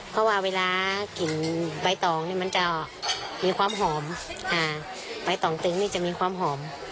เพราะว่าเวลากินใบตองเนี่ยมันจะมีความหอม